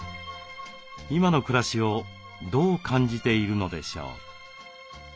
今の暮らしをどう感じているのでしょう？